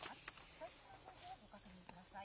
最新の情報をご確認ください。